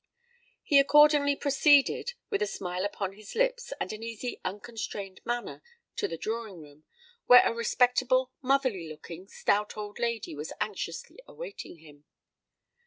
He accordingly proceeded, with a smile upon his lips and an easy unconstrained manner, to the drawing room, where a respectable, motherly looking, stout old lady was anxiously awaiting him.